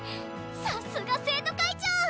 さすが生徒会長！